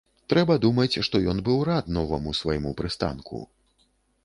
Трэба думаць што ён быў рад новаму свайму прыстанку.